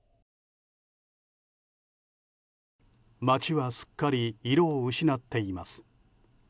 街はすっかり色を失っています。